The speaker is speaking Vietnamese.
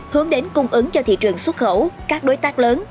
hướng đến cung ứng cho thị trường xuất khẩu các đối tác lớn